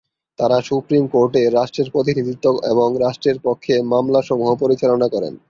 তারা সুপ্রিম কোর্টে রাষ্ট্রের প্রতিনিধিত্ব এবং রাষ্ট্রের পক্ষে মামলাসমূহ পরিচালনা করেন।